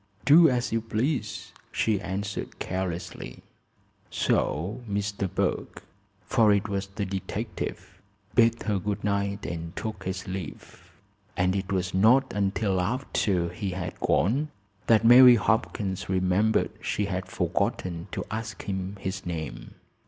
"Do as you please," she answered carelessly. So Mr. Burke, for it was the detective, bade her good night and took his leave, and it was not until after he had gone that Mary Hopkins remembered she had forgotten to ask him his name.